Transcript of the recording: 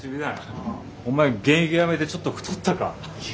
お前現役やめてちょっと太ったか？